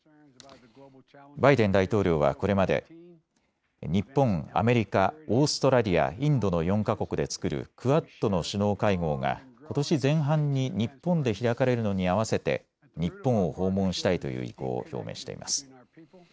バイデン大統領はこれまで日本、アメリカ、オーストラリア、インドの４か国で作るクアッドの首脳会合がことし前半に日本で開かれるのに合わせて日本を訪問したいという意向を表明しています。